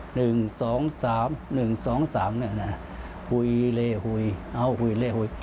หนึ่งสองสามหนึ่งสองสามเนี่ยนะหุยเล่หุยเอาหุยเล่หุย